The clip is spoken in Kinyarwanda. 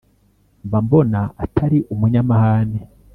mba mbona atari umunyamahane